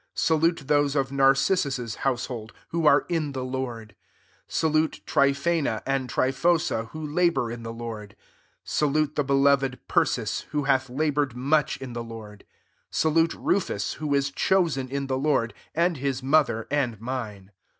Salute those of Narcissus's hmseholdi who are in the I^ord. 12 Salute Tryphena, and Try |ho$a» who labour in the Lord. &dute the beloved Persis^ who pth laboured much in the Lord. 13 Salute Rufus, who is chosen in the Lord; and his mother and mine.